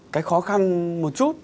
cái khó khăn một chút